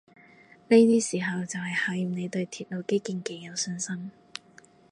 呢啲時候就係考驗你對鐵路基建幾有信心